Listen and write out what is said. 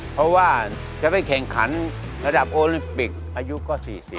เพราะว่าจะไปแข่งขันระดับโอลิมปิกอายุก็๔๐